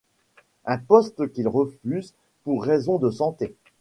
Un poste qu'il refuse pour raison de santé.